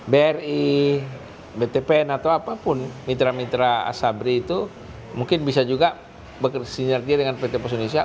bri btpn atau apapun mitra mitra asabri itu mungkin bisa juga bersinergi dengan pt pos indonesia